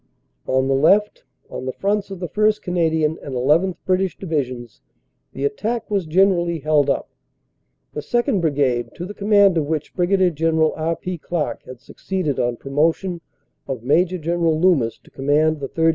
On the left, on the fronts of the 1st. Canadian and llth. British Divisions, the attack was generally held up. The 2nd. Brigade, to the command of which Brig. General R. P. Clark had succeeded on promotion of Maj. General Loomis to com mand the 3rd.